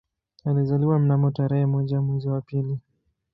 Alizaliwa mnamo tarehe moja mwezi wa pili